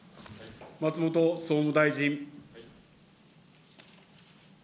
松本総務大臣。